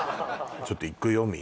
ちょっといくよ